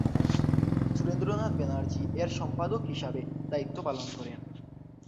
সুরেন্দ্রনাথ ব্যানার্জী এর সম্পাদক হিসাবে দায়িত্ব পালন করেন।